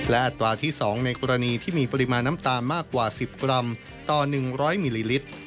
และอัตราที่๒ในกรณีที่มีปริมาณน้ำตาลมากกว่า๑๐กรัมต่อ๑๐๐มิลลิลิตร